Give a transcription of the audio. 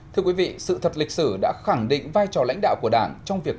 thưa quý vị sự thật lịch sử đã khẳng định vai trò lãnh đạo của đảng trong việc